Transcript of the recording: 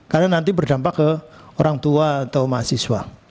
karena nanti berdampak ke orang tua atau mahasiswa